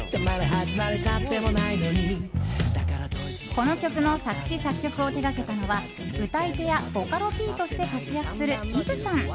この曲の作詞・作曲を手掛けたのは歌い手やボカロＰとして活躍するＥｖｅさん。